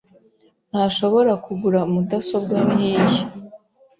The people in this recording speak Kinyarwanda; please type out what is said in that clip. ntashobora kugura mudasobwa nkiyi.